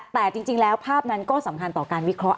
แต่จริงแล้วภาพนั้นก็สำคัญต่อการวิเคราะห